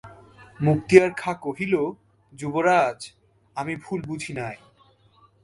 মুক্তিয়ার খাঁ কহিল, যুবরাজ, আমি ভুল বুঝি নাই।